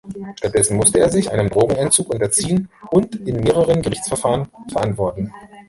Stattdessen musste er sich einem Drogenentzug unterziehen und in mehreren Gerichtsverfahren verantworten.